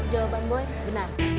jawaban boy benar